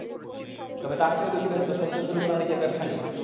তবে তার চেয়েও বেশি ব্যস্ত সদ্য শুরু করা নিজের ব্যবসা নিয়ে।